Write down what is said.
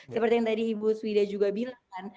seperti yang tadi ibu swida juga bilang